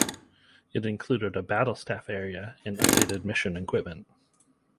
It included a battlestaff area and updated mission equipment.